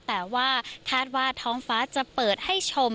แต่ว่าคาดว่าท้องฟ้าจะเปิดให้ชม